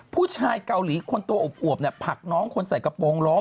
ผู้ชายเกาหลีคนตัวอบผักน้องคนใส่กระโปรงล้ม